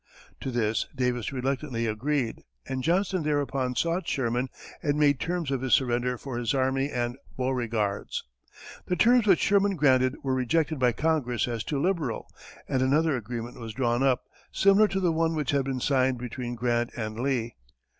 To this Davis reluctantly agreed, and Johnston thereupon sought Sherman and made terms of surrender for his army and Beauregard's. The terms which Sherman granted were rejected by Congress as too liberal, and another agreement was drawn up, similar to the one which had been signed between Grant and Lee.